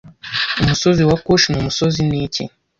Umusozi wa Kush ni Umusozi Niki